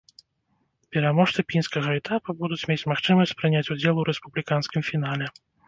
Пераможцы пінскага этапу будуць мець магчымасць прыняць удзел у рэспубліканскім фінале.